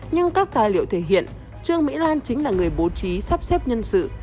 nhưng các tài liệu thể hiện trương mỹ lan chính là người bố trí sắp xếp nhân sự